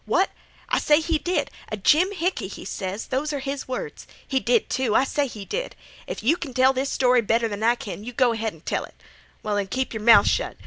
What? I say he did. 'A jimhickey,' he ses—those 'r his words. He did, too. I say he did. If you kin tell this story better than I kin, go ahead an' tell it. Well, then, keep yer mouth shet.